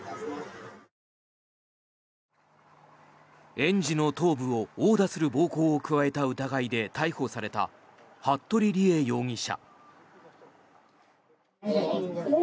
園児の頭部を殴打する暴行を加えた疑いで逮捕された服部理江容疑者。